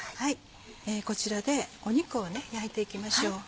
こちらで肉を焼いていきましょう。